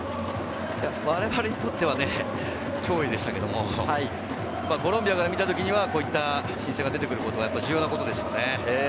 我々にとっては脅威でしたけれども、コロンビアから見た時には、こういった新生が出てくることは重要なことですよね。